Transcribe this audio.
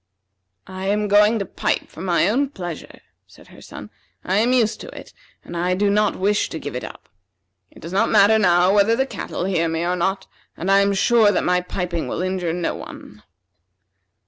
"I am going to pipe for my own pleasure," said her son. "I am used to it, and I do not wish to give it up. It does not matter now whether the cattle hear me or not, and I am sure that my piping will injure no one."